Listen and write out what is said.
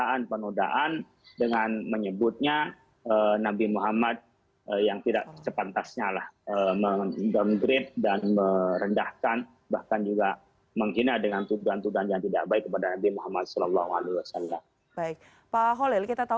apa yang masuk dalam hal ini